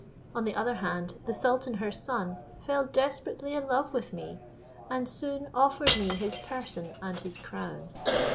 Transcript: On the other hand, the sultan her son fell desperately in love with me, and soon offered me his person and his crown.